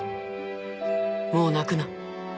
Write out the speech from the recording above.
もう泣くな。